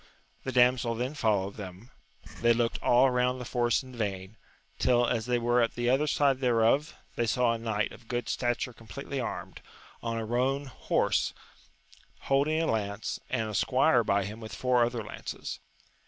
The damsel then followed them; they looked all round the forest in vain, till, as they were at the other side thereof, they saw a knight of good stature com pletely armed, on a roan horse, holding a lance, and a squire by him with four other lances.